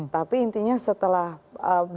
tapi intinya setelah dia bisa iff